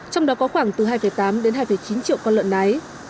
trong đó có khoảng từ hai tám đến hai chín triệu con lợn nái